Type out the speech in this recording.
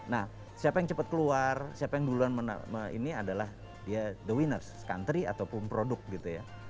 nah siapa yang cepat keluar siapa yang duluan ini adalah dia the winners country ataupun produk gitu ya